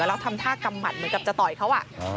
แล้วทำท่ากำหมัดเหมือนกับจะต่อยเขา